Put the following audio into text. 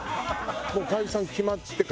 もう解散決まってから？